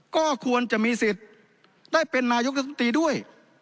ก็ควรจะมีสิทธิ์ได้เป็นนายกรัฐมนตรีด้วย